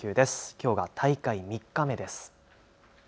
きょうが大会３日目です。